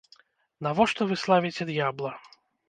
Навошта вы славіце д'ябла?